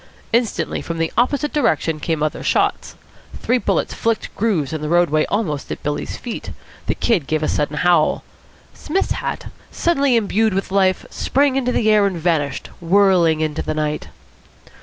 Instantly from the opposite direction came other shots. Three bullets flicked grooves in the roadway almost at Billy's feet. The Kid gave a sudden howl. Psmith's hat, suddenly imbued with life, sprang into the air and vanished, whirling into the night.